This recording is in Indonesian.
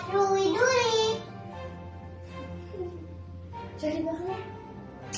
sebelumnya mereka berkumpul dengan anak anak mereka